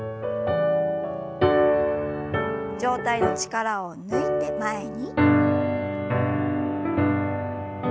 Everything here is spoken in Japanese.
上体の力を抜いて前に。